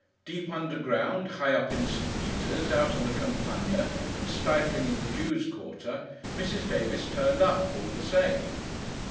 Deep underground, high up in St. Peter's, out on the Campagna, and stifling in the Jews' quarter, Mrs. Davis turned up, all the same.